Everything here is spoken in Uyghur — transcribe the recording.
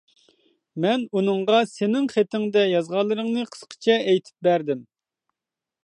مەن ئۇنىڭغا سېنىڭ خېتىڭدە يازغانلىرىڭنى قىسقىچە ئېيتىپ بەردىم.